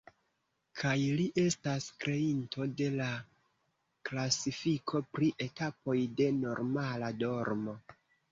Kaj li estas kreinto de la klasifiko pri etapoj de normala dormo.